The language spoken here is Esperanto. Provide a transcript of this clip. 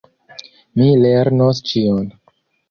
Mi lernos ĉion.